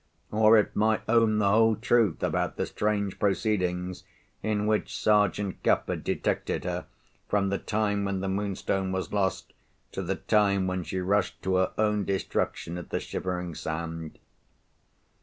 Or it might own the whole truth about the strange proceedings in which Sergeant Cuff had detected her, from the time when the Moonstone was lost, to the time when she rushed to her own destruction at the Shivering Sand.